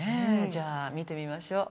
じゃあ見てみましょう。